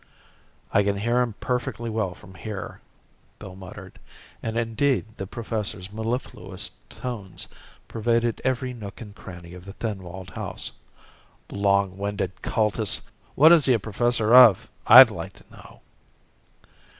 "I can hear him perfectly well from here," Bill muttered and indeed the professor's mellifluous tones pervaded every nook and cranny of the thin walled house. "Long winded cultist! What is he a professor of, I'd like to know."